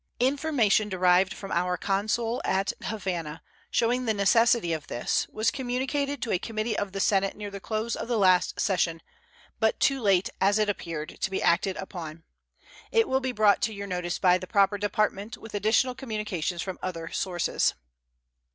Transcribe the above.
Information derived from our consul at Havana showing the necessity of this was communicated to a committee of the Senate near the close of the last session, but too late, as it appeared, to be acted upon. It will be brought to your notice by the proper Department, with additional communications from other sources.